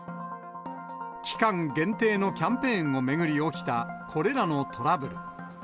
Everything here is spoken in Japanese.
期間限定のキャンペーンを巡り起きたこれらのトラブル。